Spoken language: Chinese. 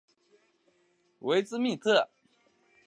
伊兹密特。